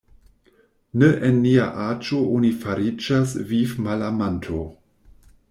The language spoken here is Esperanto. Ne en nia aĝo oni fariĝas vivmalamanto.